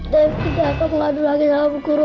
dev tidak akan ngadu lagi sama bu guru